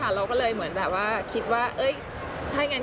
เราก็เลยเหมือนแบบว่าคิดว่าถ้าอย่างนั้น